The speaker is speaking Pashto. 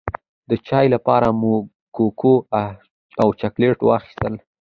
د چای لپاره مو ککو او چاکلېټ واخيستل.